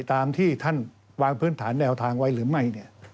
ตามที่ท่านวางพื้นฐานแนวทางไว้หรือไม่